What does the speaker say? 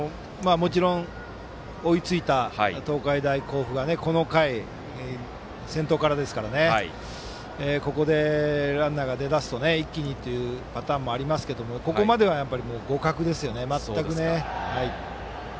追いついた東海大甲府はこの回、先頭からですからここでランナーが出だすと一気にというパターンもありますがここまでは全く互角ですね。